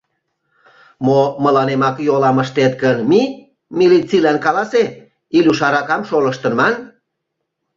Мо, мыланемак йолам ыштет гын, мий, милитсийлан каласе: Илюш аракам шолыштын, ман.